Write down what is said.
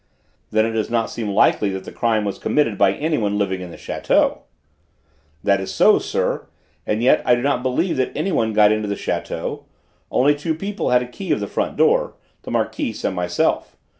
"Then it does not seem likely that the crime was committed by anyone living in the château?" "That is so, sir: and yet I do not believe that anybody got into the château; only two people had a key of the front door the Marquise and myself.